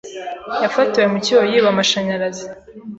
yafatiwe mu cyuho yiba amashanyarazi.